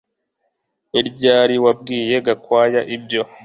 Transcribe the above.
Ni ryari wabwiye Gakwaya ibyo